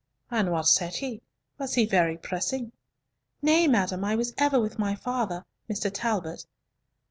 "And what said he? Was he very pressing?" "Nay, madam, I was ever with my father—Mr. Talbot."